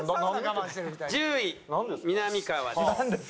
１０位みなみかわです。